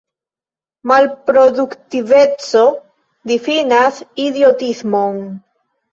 Malproduktiveco difinas idiotismon.